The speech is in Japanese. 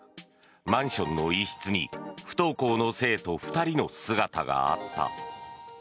マンションの一室に不登校の生徒２人の姿があった。